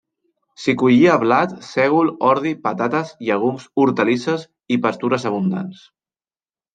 S'hi collia blat, sègol, ordi, patates, llegums, hortalisses i pastures abundants.